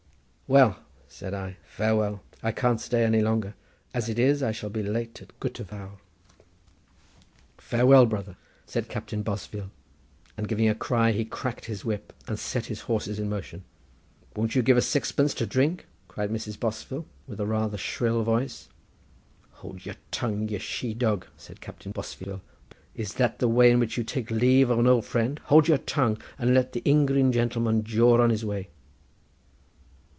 "Well," said I, "farewell. I can't stay any longer. As it is, I shall be late at Gutter Vawr." "Farewell, brother!" said Captain Bosvile; and, giving a cry, he cracked his whip and set his horses in motion. "Won't you give us sixpence to drink?" cried Mrs. Bosvile, with a rather, shrill voice. "Hold your tongue, you she dog," said Captain Bosvile. "Is that the way in which you take leave of an old friend? Hold your tongue, and let the Ingrine gentleman jaw on his way."